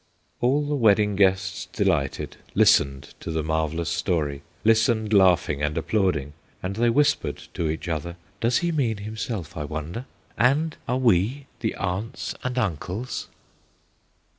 All the wedding guests delighted Listened to the marvellous story, Listened laughing and applauding, And they whispered to each other: "Does he mean himself, I wonder? And are we the aunts and uncles?"